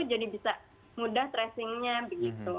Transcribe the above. bisa mudah tracingnya begitu